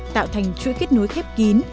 tạo thành chuỗi kết nối khép kín